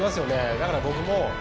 だから僕も。